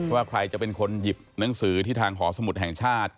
ว่าใครจะเป็นคนหยิบหนังสือที่ทางหอสมุทรแห่งชาติ